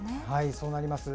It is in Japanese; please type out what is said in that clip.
そうなります。